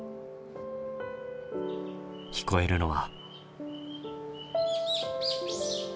聞こえるのは。